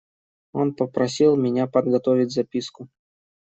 Он попросил меня подготовить записку.